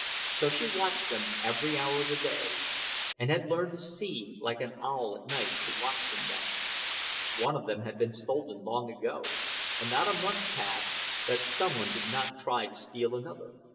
So she watched them every hour of the day, and had learned to see like an owl at night to watch them then. One of them had been stolen long ago, and not a month passed that some one did not try to steal another.